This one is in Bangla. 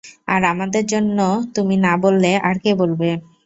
আর আমাদের জন্য তুমি না বললে আর কে বলবে?